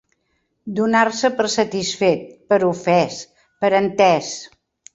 Donar-se per satisfet, per ofès, per entès.